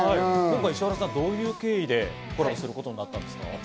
石原さん、どういう経緯でコラボすることになったんですか？